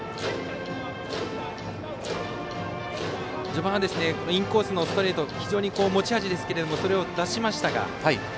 序盤はインコースのストレート非常に持ち味ですがそれを出しましたが。